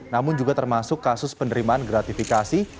namun juga termasuk kasus penerimaan gratifikasi